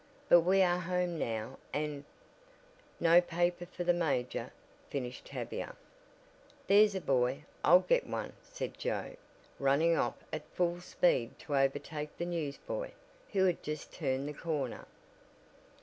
But we are home now and " "No paper for the major," finished Tavia. "There's a boy. I'll get one," said Joe, running off at full speed to overtake the newsboy, who had just turned the corner.